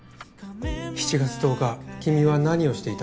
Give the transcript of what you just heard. ７月１０日君は何をしていた？